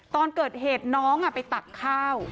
ตอนเกิดเหตุน้องไปตักข้าว